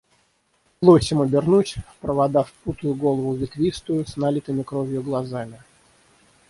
Лосем обернусь, в провода впутаю голову ветвистую с налитыми кровью глазами.